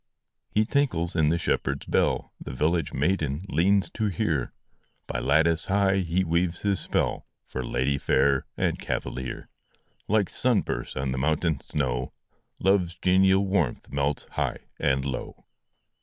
He tinkles in the shepherd s bell The village maiden leans to hear By lattice high he weaves his spell, For lady fair and cavalier : Like sun bursts on the mountain snow, Love s genial warmth melts high and low.